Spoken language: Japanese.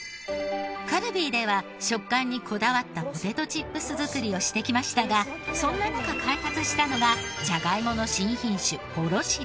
カルビーでは食感にこだわったポテトチップス作りをしてきましたがそんな中開発したのはじゃがいもの新品種ぽろしり。